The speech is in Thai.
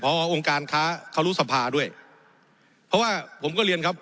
พอองค์การค้าเขารู้สภาด้วยเพราะว่าผมก็เรียนครับ